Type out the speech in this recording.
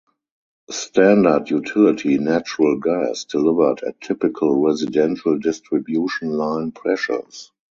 Standard utility natural gas delivered at typical residential distribution line pressures.